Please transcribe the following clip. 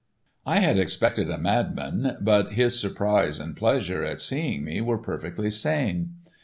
I had expected a madman, but his surprise and pleasure at seeing me were perfectly sane.